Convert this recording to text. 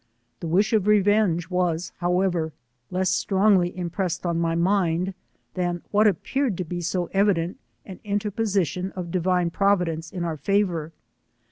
The wish of revenge was, however^ less strongly impressed on my mind, than what appeared to be 86 evident an interposition of divine Providence in our favour.